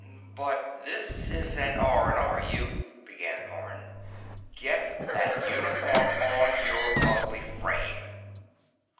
"But this is an R&R uni—" began Orne. "Get that uniform on your ugly frame!"